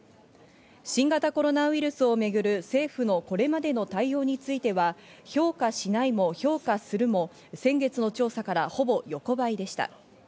新型コロナウイルスをめぐる政府のこれまでの対応については、評価しないも評価するも先月の調査からほぼ横ばいでした。